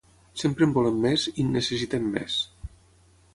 Sempre en volem més, i en necessitem més.